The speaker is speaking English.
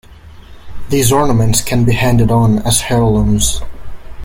These ornaments can be handed on as heirlooms.